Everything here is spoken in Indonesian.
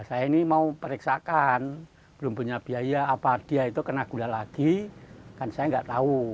saya ini mau periksakan belum punya biaya apa dia itu kena gula lagi kan saya nggak tahu